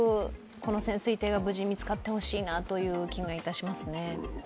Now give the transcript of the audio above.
この潜水艇が無事見つかってほしいなという気がいたしますね。